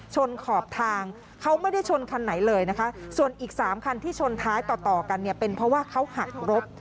ขอบทางเขาไม่ได้ชนคันไหนเลยนะคะส่วนอีก๓คันที่ชนท้ายต่อต่อกันเนี่ยเป็นเพราะว่าเขาหักรถ